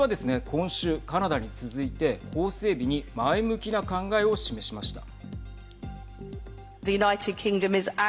今週カナダに続いて法整備に前向きな考えを示しました。